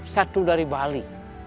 satu dari bali